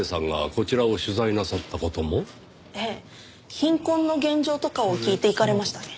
貧困の現状とかを聞いていかれましたね。